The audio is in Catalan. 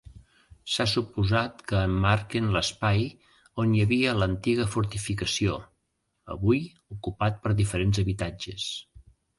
S'ha suposat que emmarquen l'espai on hi havia l'antiga fortificació, avui ocupat per diferents habitatges.